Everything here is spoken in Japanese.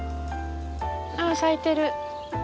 あ咲いてる。